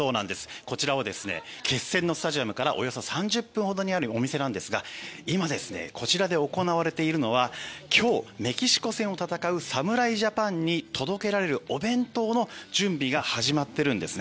こちらは決戦のスタジアムからおよそ３０分ほどにあるお店なんですが今、こちらで行われているのは今日、メキシコ戦を戦う侍ジャパンに届けられるお弁当の準備が始まっているんです。